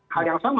hal yang sama